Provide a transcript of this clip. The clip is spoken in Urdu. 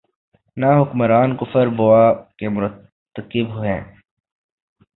نہ حکمران کفر بواح کے مرتکب ہیں۔